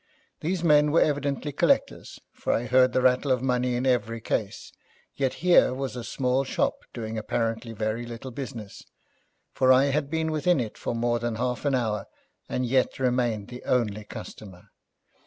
These men were evidently collectors, for I heard the rattle of money in every case; yet here was a small shop, doing apparently very little business, for I had been within it for more than half an hour, and yet remained the only customer.